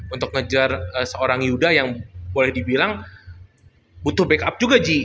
untuk ngejar seorang yuda yang boleh dibilang butuh backup juga ji